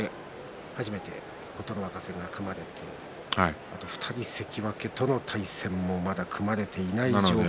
初めて琴ノ若戦が組まれてあと２人、関脇との対戦もまだ組まれていない状況。